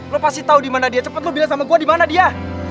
lo pasti tau dimana dia cepet lo bilang sama gue dimana dia